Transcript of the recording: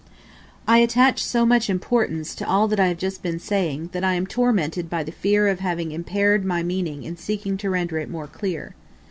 I attach so much importance to all that I have just been saying, that I am tormented by the fear of having impaired my meaning in seeking to render it more clear.